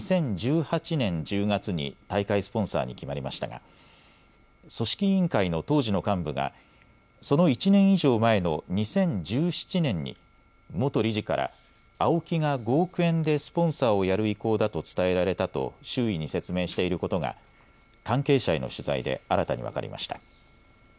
２０１８年１０月に大会スポンサーに決まりましたが組織委員会の当時の幹部がその１年以上前の２０１７年に元理事からＡＯＫＩが５億円でスポンサーをやる意向だと伝えられたと周囲に説明していることが関係者への取材で新たに分かりました。